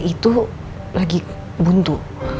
itu lagi buntu